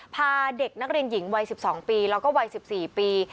พาเด็กนักเรียนหญิงวัย๑๒ปีแล้วก็วัย๑๔ปี